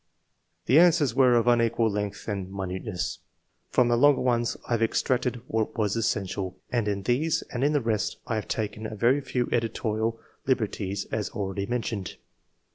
The anawers were of unequal length and minuteness. From the longer ones I have ex tracted what was essential, and in these and in the rest I have taken a very few editorial liber ties, as already mentioned.